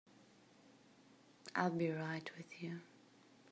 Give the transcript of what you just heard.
I'll be right with you.